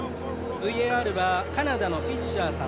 ＶＡＲはカナダのフィッシャーさん。